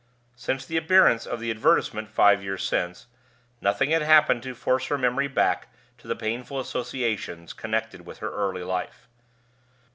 Since the appearance of the advertisement five years since, nothing had happened to force her memory back to the painful associations connected with her early life.